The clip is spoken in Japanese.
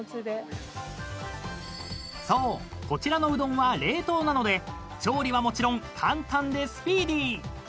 ［そうこちらのうどんは冷凍なので調理はもちろん簡単でスピーディー］